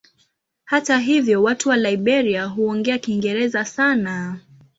Hata hivyo watu wa Liberia huongea Kiingereza sana.